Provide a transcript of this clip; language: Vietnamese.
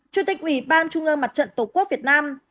chủ tịch ủy ban trung ương mặt trận tổ quốc việt nam